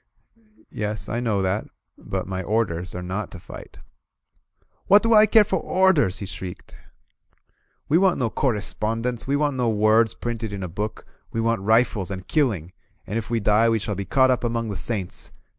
"Yes, I know that. But my orders are not to fight." "What do I care for orders?" he shrieked. "We 61 INSURGENT MEXICO want no correspondents. We want no words printed in a book. We want rifles and killing, and if we die we shall be caught up among the saints